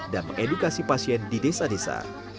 dan mengedukasi pasien di desa desa